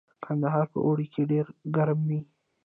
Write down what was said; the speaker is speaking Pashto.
کندهار په اوړي کې ډیر ګرم وي